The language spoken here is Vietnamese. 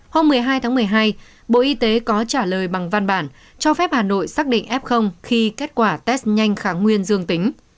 hôm một mươi hai tháng một mươi hai bộ y tế có trả lời bằng văn bản cho phép hà nội xác định f khi kết quả test nhanh kháng nguyên dương tính